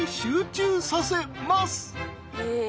へえ！